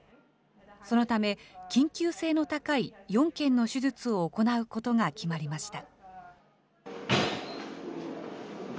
そのため、緊急性の高い４件の手術を行うことが決まりました。